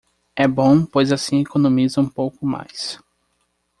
É bom, pois assim economiza um pouco mais